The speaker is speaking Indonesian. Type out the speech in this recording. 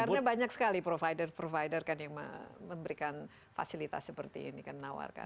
karena banyak sekali provider provider kan yang memberikan fasilitas seperti ini kan menawarkan